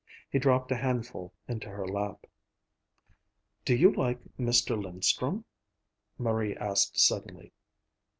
He dropped a handful into her lap. "Do you like Mr. Linstrum?" Marie asked suddenly.